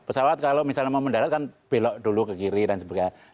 pesawat kalau misalnya mau mendarat kan belok dulu ke kiri dan sebagainya